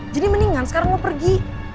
jadi mendingan sekarang lu pergi